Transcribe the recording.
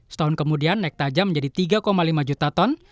setahun kemudian naik tajam menjadi tiga lima juta ton